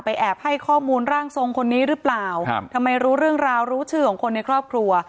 แอบให้ข้อมูลร่างทรงคนนี้หรือเปล่าครับทำไมรู้เรื่องราวรู้ชื่อของคนในครอบครัว